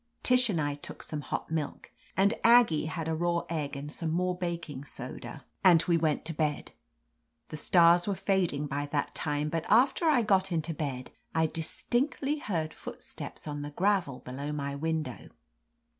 Tish and I took some hot milk, and Aggie had a raw tgg and some more baking soda, and we 214 OF LETITIA CARBERRY went to bed. The stars were fading by that time, but after I got into bed I distinctly heard footsteps on the gravel belowjmy window.